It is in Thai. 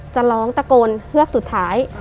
จะร้องตะโกนเฮือกสุดท้าย